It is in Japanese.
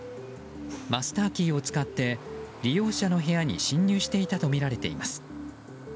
マスターキーを使って利用者の部屋に侵入していたとみられています。